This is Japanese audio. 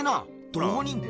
どこにいんだよ？